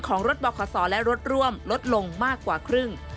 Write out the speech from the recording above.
ของรถบขศและรถร่วมลดลงมากกว่าครึ่ง